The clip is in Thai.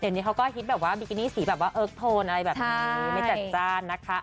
เดี๋ยวนี้เขาก็ฮิตแบบว่าบิกินี่สีแบบว่าเอิร์กโทนอะไรแบบนี้ไม่จัดจ้านนะคะ